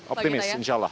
optimis insya allah